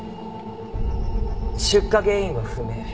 出火原因は不明。